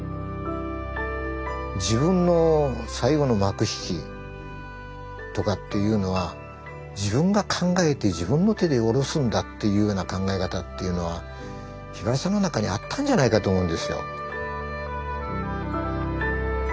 自分の最後の幕引きとかっていうのは自分が考えて自分の手で降ろすんだっていうような考え方っていうのはひばりさんの中にあったんじゃないかと思うんですよ。